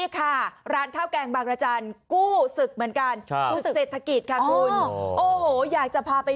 ครั้งนั้นคือกู้ชาติ